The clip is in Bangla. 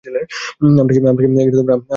আমরা কি পাষাণ?